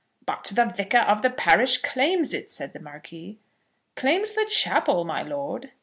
"But the Vicar of the parish claims it," said the Marquis. "Claims the chapel, my lord!"